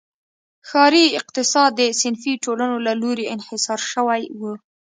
ښاري اقتصاد د صنفي ټولنو له لوري انحصار شوی و.